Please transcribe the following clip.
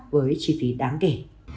với chi phí đáng kể